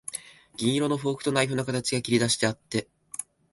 銀色のフォークとナイフの形が切りだしてあって、